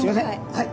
はい。